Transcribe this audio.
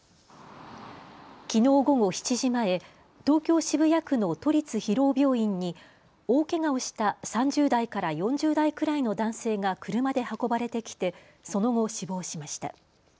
きのう午後７時前、東京渋谷区の都立広尾病院に大けがをした３０代から４０代くらいの男性が車で運ばれてきてその後、死亡しました。